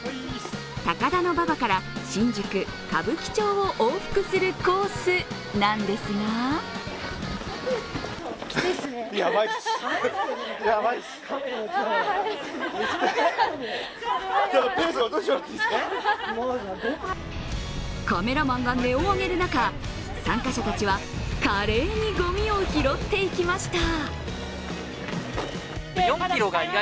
高田馬場から新宿・歌舞伎町を往復するコースなんですがカメラマンが音を上げる中、参加者たちは華麗にごみを拾っていきました。